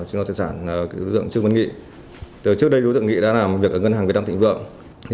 trước đây đối tượng nghị đã làm việc ở ngân hàng việt nam thịnh vượng